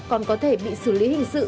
còn có thể bị xử lý hình sự